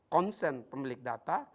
consent pemilik data